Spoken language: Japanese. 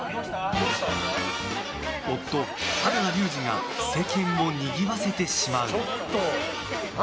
夫・原田龍二が世間をにぎわせてしまう。